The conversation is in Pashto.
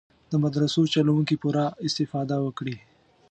د مدرسو چلوونکي پوره استفاده وکړي.